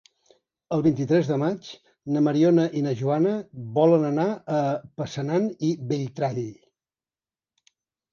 El vint-i-tres de maig na Mariona i na Joana volen anar a Passanant i Belltall.